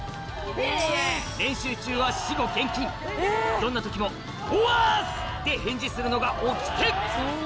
どんな時も「おわす」って返事するのが掟